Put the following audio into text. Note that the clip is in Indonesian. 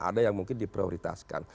ada yang mungkin diprioritaskan